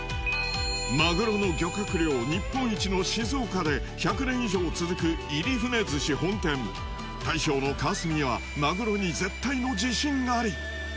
マグロの漁獲量日本一の静岡で１００年以上続く入船鮨本店大将の川澄はマグロに絶対の自信あり！